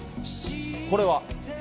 これは？